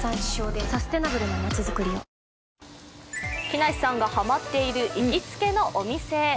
木梨さんがハマっている行きつけのお店。